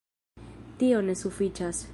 Tio ne sufiĉas.